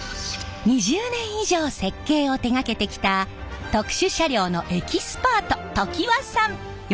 ２０年以上設計を手がけてきた特殊車両のエキスパート常盤さん！